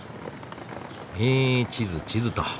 え地図地図と。